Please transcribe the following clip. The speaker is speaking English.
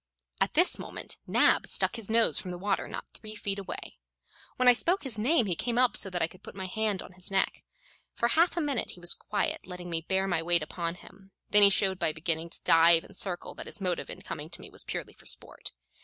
At this moment Nab stuck his nose from the water not three feet away. When I spoke his name, he came up so that I could put my hand on his neck. For half a minute he was quiet, letting me bear my weight upon him; then he showed by beginning to dive and circle that his motive in coming to me was purely for sport.